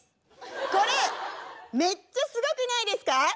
これめっちゃすごくないですか？